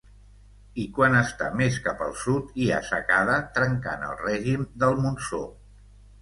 I quan està més cap al sud hi ha secada trencant el règim del monsó.